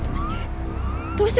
どうして？